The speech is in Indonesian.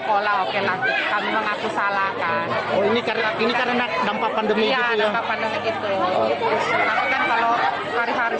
kalau orang tua ke sekolah